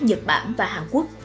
nhật bản và hàn quốc